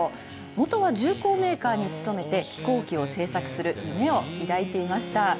もとは重工メーカーに勤めて、飛行機を製作する夢を抱いていました。